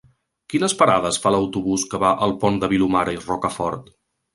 Quines parades fa l'autobús que va al Pont de Vilomara i Rocafort?